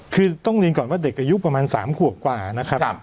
คือต้องเรียนก่อนว่าเด็กอายุประมาณ๓ขวบกว่านะครับ